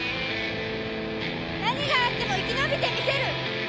何があっても生き延びてみせる。